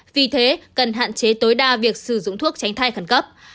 vì thế cần hạn chế tối đa việc sử dụng thuốc tránh thai khẩn cấp